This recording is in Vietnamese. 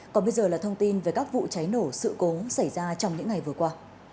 còn bây giờ là thông tin về các vụ cháy nổ sự cố xảy ra trong những ngày vừa qua